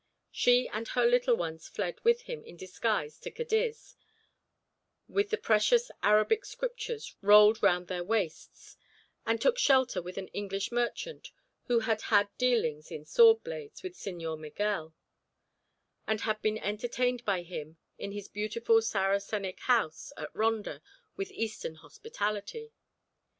She and her little ones fled with him in disguise to Cadiz, with the precious Arabic Scriptures rolled round their waists, and took shelter with an English merchant, who had had dealings in sword blades with Señor Miguel, and had been entertained by him in his beautiful Saracenic house at Ronda with Eastern hospitality.